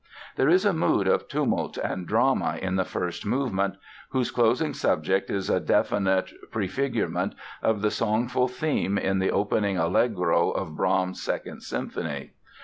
There is a mood of tumult and drama in the first movement, whose closing subject is a definite prefigurement of the songful theme in the opening allegro of Brahms' Second Symphony.